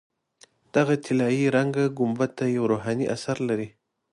دغه طلایي رنګه ګنبده یو روحاني اثر لري.